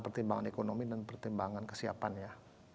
pertimbangan ekonomi dan pertimbangan kesiapannya